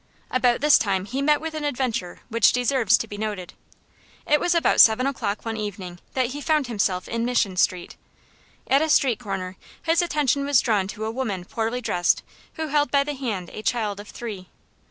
About this time he met with an adventure which deserves to be noted. It was about seven o'clock one evening that he found himself in Mission Street. At a street corner his attention was drawn to a woman poorly dressed, who held by the hand a child of three.